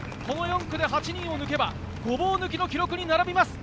８人を抜けば、ごぼう抜きの記録に並びます。